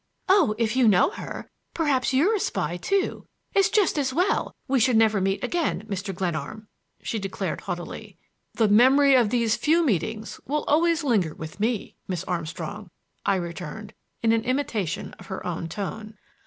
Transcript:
"Oh, if you know her! Perhaps you're a spy, too! It's just as well we should never meet again, Mr. Glenarm," she declared haughtily. "The memory of these few meetings will always linger with me, Miss Armstrong," I returned in an imitation of her own tone.